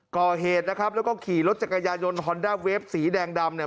ก่อเหตุนะครับแล้วก็ขี่รถจักรยายนฮอนด้าเวฟสีแดงดำเนี่ย